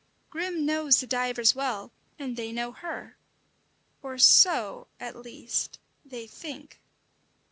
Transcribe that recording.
Grim knows the divers well, and they know her or so, at least, they think.